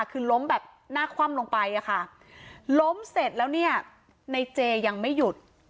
คือล้มแบบหน้าคว่ำลงไปอะค่ะล้มเสร็จแล้วเนี่ยในเจยังไม่หยุด